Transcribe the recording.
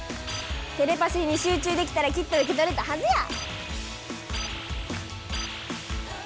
テレパシーに集中できたらきっとうけとれたはずや！